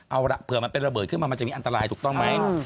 เอาล่ะเผื่อมันเป็นระเบิดขึ้นมามันจะมีอันตรายถูกต้องไหม